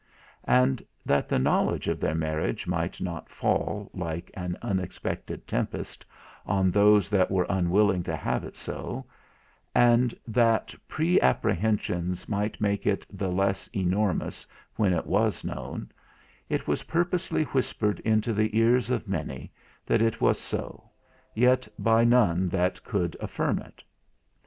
And that the knowledge of their marriage might not fall, like an unexpected tempest, on those that were unwilling to have it so; and that pre apprehensions might make it the less enormous when it was known, it was purposely whispered into the ears of many that it was so, yet by none that could affirm it.